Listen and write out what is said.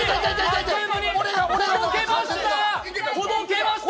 あっという間にほどけました！